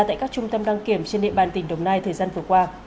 tại các trung tâm đăng kiểm trên địa bàn tỉnh đồng nai thời gian vừa qua